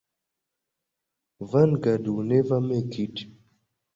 Vanguard will never make it.